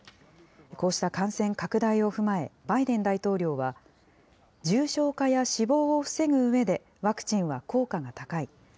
こうした感染拡大を踏まえ、バイデン大統領は重症化や死亡を防ぐうえで、ワクチンは効果が高い。